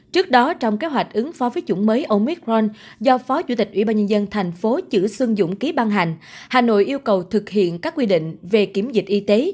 trước đó trong kế hoạch ứng phó với chủng mới omicron do phó chủ tịch ủy ban nhân dân thành phố chữ xuân dũng ký ban hành hà nội yêu cầu thực hiện các quy định về kiểm dịch y tế